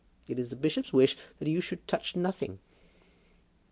It is the bishop's wish that you should touch nothing."